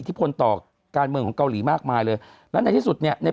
อิทธิพลต่อการเมืองกาหลีมากมายเลยแล้วและในที่สุดเนี่ยใน